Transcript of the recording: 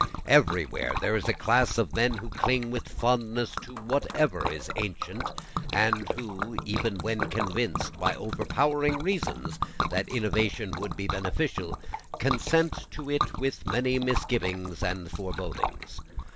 Everywhere there is a class of men who cling with fondness to whatever is ancient, and who, even when convinced by overpowering reasons that innovation would be beneficial, consent to it with many misgivings and forebodings.